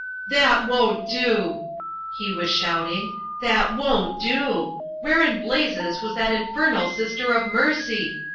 "That won't do!" he was shouting. "That won't do! Where in blazes was that infernal Sister of Mercy?